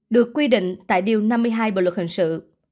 được quy định tại điều năm mươi hai bộ luật hình sự